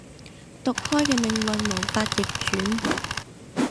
毒開嘅命運無法逆轉